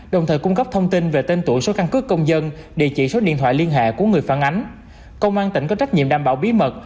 điện thoại liên hệ của người phản ánh công an tỉnh có trách nhiệm đảm bảo bí mật